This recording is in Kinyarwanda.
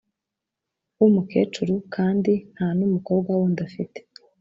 w’umukecuru, kandi nta n’umukobwa wundi afite